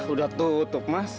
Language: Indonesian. udah tutup mas